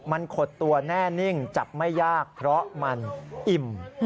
มันขดตัวแน่นิ่งจับไม่ยากเพราะมันอิ่ม